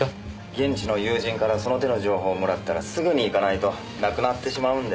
現地の友人からその手の情報をもらったらすぐに行かないとなくなってしまうんで。